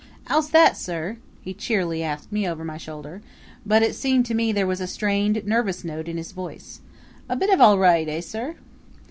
"Ow's that, sir?" he cheerily asked me, over my shoulder; but it seemed to me there was a strained, nervous note in his voice. "A bit of all right eh, sir?"